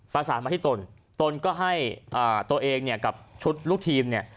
ประสานมาที่ตนตนก็ให้ตัวเองเนี่ยกับชุดลูกทีมเนี่ย